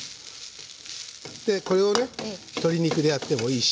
でこれをね鶏肉でやってもいいし。